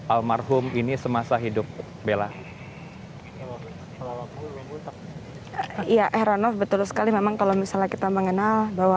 almarhum ini semasa hidup bella betul sekali memang kalau misalnya kita mengenal bahwa